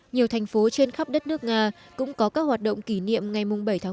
nhiều thành phố trên khắp đất nước nga cũng có các hoạt động kỷ niệm ngày bảy một mươi một